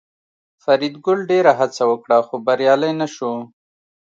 فریدګل ډېره هڅه وکړه خو بریالی نشو